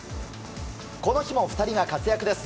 この日も２人が活躍です。